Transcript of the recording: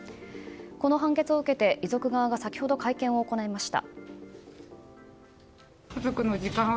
この判決を受けて遺族側が先ほど会見を行いました。